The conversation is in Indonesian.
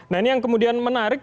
nah ini yang kemudian menarik